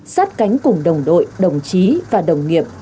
sát cánh cùng đồng đội đồng chí và đồng nghiệp